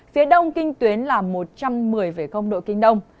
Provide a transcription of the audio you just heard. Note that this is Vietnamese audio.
phía đông kinh tuyến là một trăm một mươi độ kinh đông